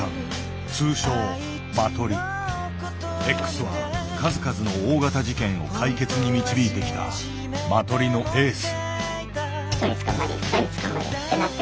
Ｘは数々の大型事件を解決に導いてきたマトリのエース。